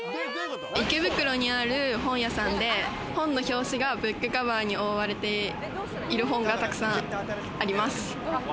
池袋にある本屋さんで、本の表紙がブックカバーに覆われている本が沢山あります。